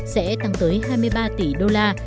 sẽ tăng tới hai mươi ba tỷ đô la